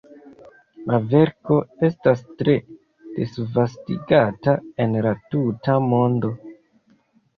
La verko estas tre disvastigata en la tuta mondo.